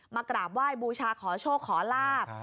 กราบไหว้บูชาขอโชคขอลาบ